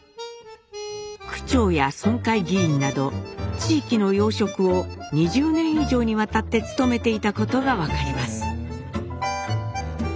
区長や村会議員など地域の要職を２０年以上にわたって務めていたことが分かります。